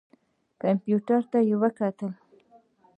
کمپیوټر ته یې وکتل.